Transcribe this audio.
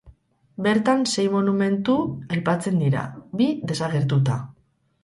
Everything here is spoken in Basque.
Bertan sei monumentu aipatzen dira, bi desagertuta.